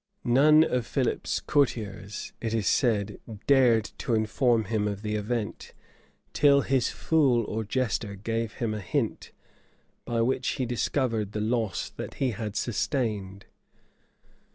[*] None of Philip's courtiers, it is said, dared to inform him of the event; till his fool or jester gave him a hint, by which he discovered the loss that he had sustained.